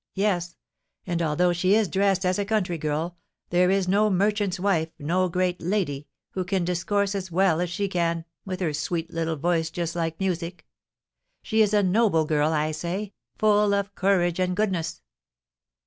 Yes; and although she is dressed as a country girl, there is no merchant's wife, no great lady, who can discourse as well as she can, with her sweet little voice just like music. She is a noble girl, I say, full of courage and goodness."